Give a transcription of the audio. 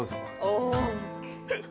お。